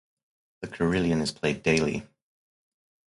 The carillon is played daily.